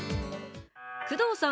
宮藤さん